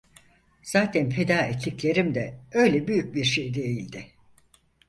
Zaten feda ettiklerim de öyle büyük bir şey değildi.